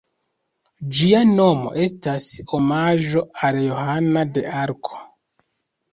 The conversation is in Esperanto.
Ĝia nomo estas omaĝo al Johana de Arko.